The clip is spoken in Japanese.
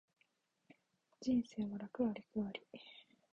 人生は楽あり苦あり